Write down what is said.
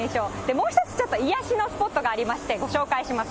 もう一つ、ちょっと癒やしのスポットがありまして、ご紹介します。